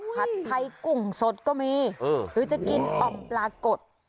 ผัดไทยกุ้งสดก็มีหรือจะกินอ่อมปลากด